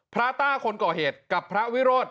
ต้าคนก่อเหตุกับพระวิโรธ